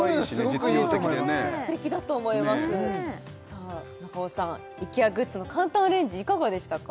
実用的でねすてきだと思いますさあ中尾さんイケアグッズの簡単アレンジいかがでしたか？